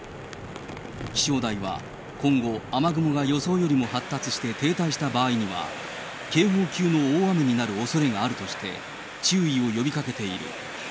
気象台は今後、雨雲が予想よりも発達して停滞した場合には、警報級の大雨になるおそれがあるとして、注意を呼びかけている。